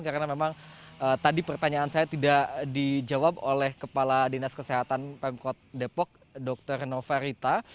karena memang tadi pertanyaan saya tidak dijawab oleh kepala dinas kesehatan pemkot depok dr nova rita